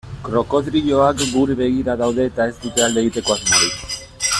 Krokodiloak guri begira daude eta ez dute alde egiteko asmorik.